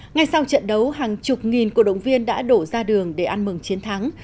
ngay sau trận đấu hàng chục nghìn cổ động viên đã đổ ra đường để ăn mừng chiến thắng